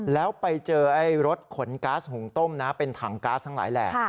แล้วไปเจอรถขนก๊าซหุงต้มนะเป็นถังก๊าซทั้งหลายแหล่